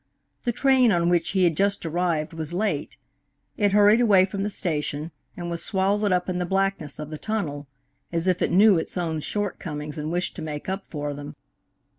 The train on which he had just arrived was late. It hurried away from the station, and was swallowed up in the blackness of the tunnel, as if it knew its own shortcomings and wished to make up for them.